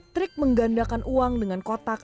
trik menggandakan uang dengan kotak